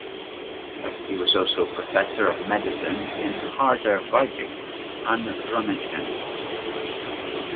He was also professor of medicine in Harderwijk and Groningen.